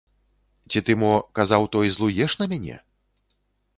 Ці ты мо , казаў той, злуеш на мяне?